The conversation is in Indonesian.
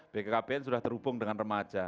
bkkbn sudah terhubung dengan remaja